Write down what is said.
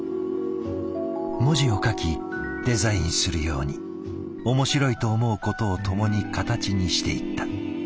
文字を描きデザインするように面白いと思うことを共に形にしていった。